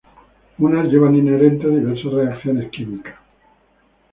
Unas llevan inherentes diversas reacciones químicas.